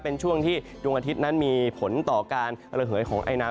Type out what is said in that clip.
เป็นช่วงที่ดวงอาทิตย์นั้นมีผลต่อการระเหยของไอน้ำ